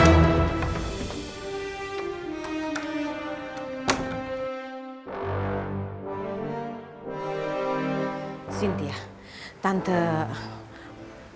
untuk mendapatkan perawatan yang lebih intensif